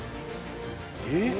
「えっ？」